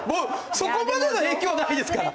そこまでの影響はないですから。